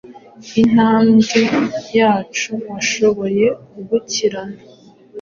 Intambwe zacu washoboye gukurikirana